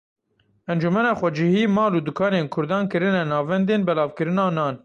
Encûmena Xwecihî mal û dukanên Kurdan kirine navêndên belavkirina nan.